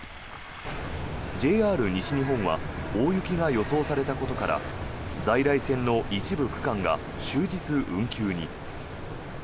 ＪＲ西日本は大雪が予想されたことから在来線の一部区間が終日運休に。